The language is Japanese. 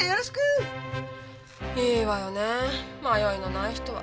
いいわよね迷いのない人は。